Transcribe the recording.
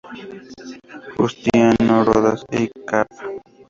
Justiniano Rodas y Cap.